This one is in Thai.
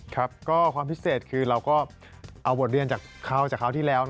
ครับก็ความพิเศษคือเราก็เอานี้รับบทเรื่องจากครั้งที่แล้ว